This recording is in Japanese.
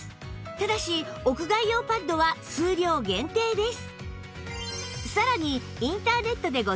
ただし屋外用パッドは数量限定です